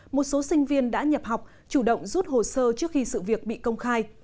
một số sinh viên đã nhập học chủ động rút hồ sơ trước khi sự việc bị công khai